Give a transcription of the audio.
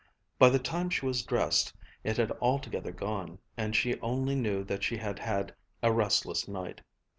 By the time she was dressed, it had altogether gone, and she only knew that she had had a restless night.